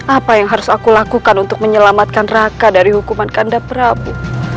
apa yang harus aku lakukan untuk menyelamatkan raka dari hukuman kanda prabu